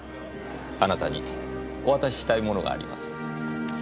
あなたにお渡ししたいものがあります。